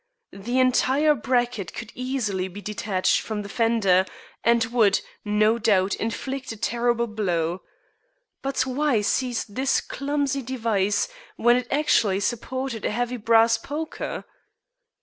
The entire bracket could easily be detached from the fender, and would, no doubt, inflict a terrible blow. But why seize this clumsy device when it actually supported a heavy brass poker?